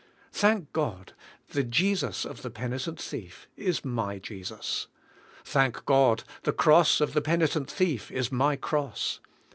Thank God, the Jesus of the penitent thief is my Jesus. Thank God, the cross of the penitent thief is my cross.